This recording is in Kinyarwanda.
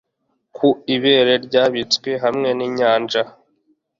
ku ibere ryabitswe hamwe ninyanja